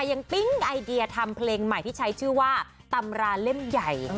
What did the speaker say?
ปิ๊งไอเดียทำเพลงใหม่ที่ใช้ชื่อว่าตำราเล่มใหญ่